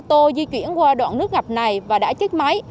người dân không nên di chuyển qua đoạn nước ngập này và đã chết máy